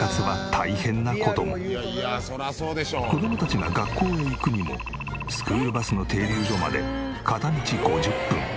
子供たちが学校へ行くにもスクールバスの停留所まで片道５０分。